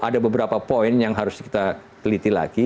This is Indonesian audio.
ada beberapa poin yang harus kita teliti lagi